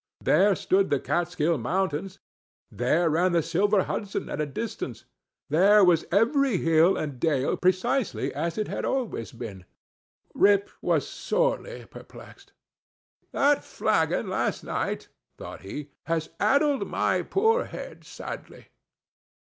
There stood the Kaatskill mountains—there ran the silver Hudson at a distance—there was every hill and dale precisely as it had always been—Rip was sorely perplexed—"That flagon last night," thought he, "has addled my poor head sadly!"